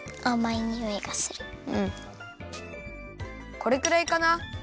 これくらいかな？